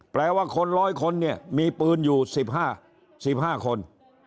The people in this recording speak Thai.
แปลว่าคน๑๐๐คนเนี่ยมีปืนอยู่๑๕๑๕คน